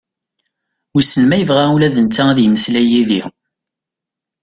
Wisen ma yebɣa ula d netta ad yemeslay d yid-i?